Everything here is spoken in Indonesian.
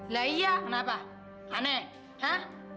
lah iya kenapa aneh ya